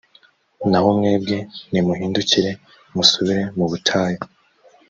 naho mwebwe nimuhindukire musubire mu butayu